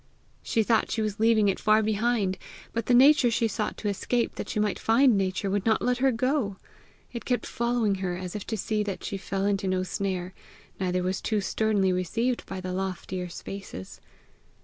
She thought she was leaving it far behind, but the nature she sought to escape that she might find Nature, would not let her go! It kept following her as if to see that she fell into no snare, neither was too sternly received by the loftier spaces.